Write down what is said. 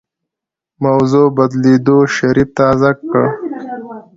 د موضوع بدلېدو شريف تازه کړ.